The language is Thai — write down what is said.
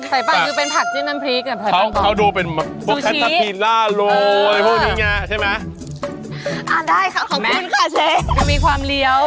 สายปากอยู่เป็นผักจิ้มมันพริกเขาดูเป็นซูชิมะพวกนี้ไง